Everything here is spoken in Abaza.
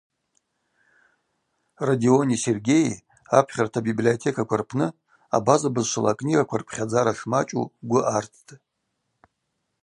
Родиони Сергейи апхьарта библиотекаква рпны абаза бызшвала акнигаква рпхьадзара шмачӏу гвы арттӏ.